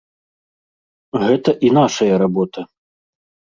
Гэта і нашая работа.